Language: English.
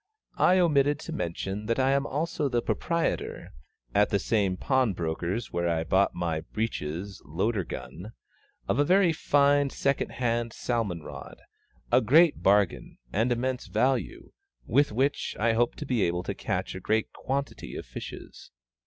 I omitted to mention that I am also the proprietor (at the same pawnbroker's where I bought my breeches loader gun) of a very fine second hand salmon rod, a great bargain and immense value, with which I hope to be able to catch a great quantity of fishes.